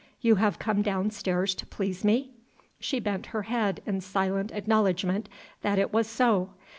You have come down stairs to please me?" She bent her head in silent acknowledgment that it was so.